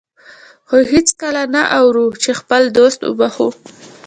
خو هېڅکله نه اورو چې خپل دوست وبخښو.